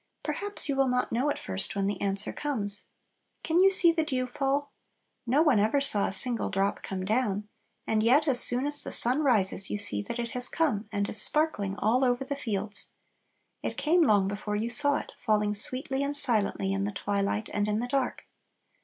Perhaps you will not know at first when the answer comes. Can you see the dew fall? No one ever saw a single drop come down, and yet as soon as the sun rises, you see that it has come, and is sparkling all over the fields. It came long before you saw it, falling sweetly and silently in the twilight and in the dark.